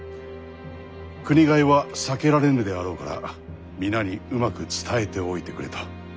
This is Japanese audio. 国替えは避けられぬであろうから皆にうまく伝えておいてくれと。